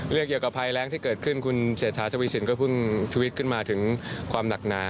เกี่ยวกับภัยแรงที่เกิดขึ้นคุณเศรษฐาทวีสินก็เพิ่งทวิตขึ้นมาถึงความหนักหนา